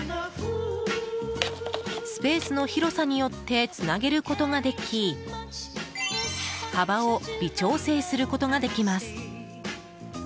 スペースの広さによってつなげることができ幅を微調整することができます。